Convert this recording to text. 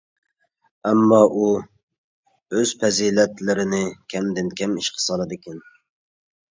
ئەمما، ئۇ ئۆز پەزىلەتلىرىنى كەمدىن-كەم ئىشقا سالىدىكەن.